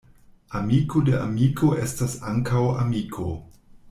Amiko de amiko estas ankaŭ amiko.